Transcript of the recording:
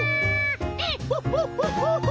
エッホッホッホッホホ。